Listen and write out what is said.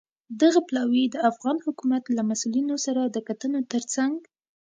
دغه پلاوی د افغان حکومت له مسوولینو سره د کتنو ترڅنګ